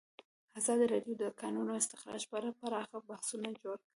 ازادي راډیو د د کانونو استخراج په اړه پراخ بحثونه جوړ کړي.